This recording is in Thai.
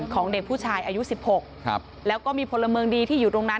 ของเด็กผู้ชายอายุ๑๖แล้วก็มีพลเมืองดีที่อยู่ตรงนั้น